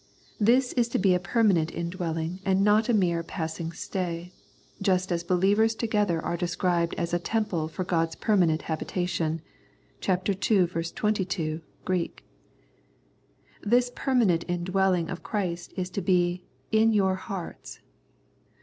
This is to be a permanent indwelling and not a mere passing stay, just as believers together are described as a temple for God's permanent habitation (ch. ii. 22, Greek). This permanent indwelling of Christ is to be " in your hearts."